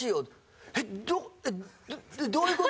「えっどういう事？」